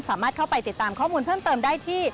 สามารถเข้าไปติดตามข้อมูลเพิ่มเติมได้ที่